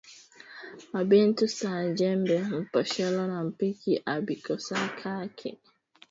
Ma bintu saa njembe, mposholo, na mpiki abikosake mu nyumba